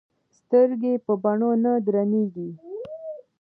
سترګې په بڼو نه درنې ايږي